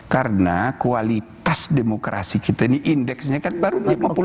karena kualitas demokrasi kita ini indeksnya kan baru lima puluh empat